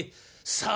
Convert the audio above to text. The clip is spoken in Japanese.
さあ